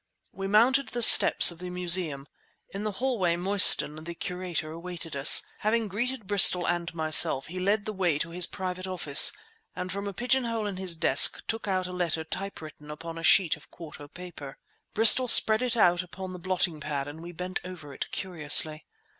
We mounted the steps of the Museum. In the hallway Mostyn, the curator, awaited us. Having greeted Bristol and myself he led the way to his private office, and from a pigeon hole in his desk took out a letter typewritten upon a sheet of quarto paper. Bristol spread it out upon the blotting pad and we bent over it curiously.